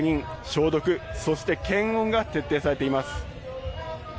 消毒、そして検温が徹底されています。